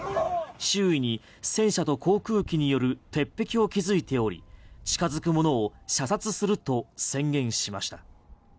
周囲に戦車と航空機による鉄壁を築いており近づくものを射殺すると宣言しました。